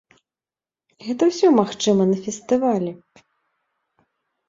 Гэта ўсё магчыма на фестывалі!